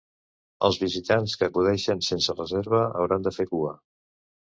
Els visitants que acudeixen sense reserva hauran de fer cua.